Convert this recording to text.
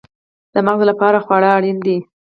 د مغز لپاره خواړه اړین دي